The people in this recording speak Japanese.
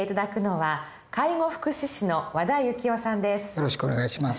よろしくお願いします。